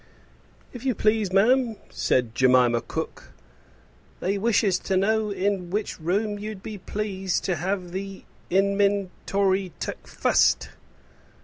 "If you please, ma'am," said Jemima cook, "they wishes to know in which room you'd be pleased to have the inmin tory took fust.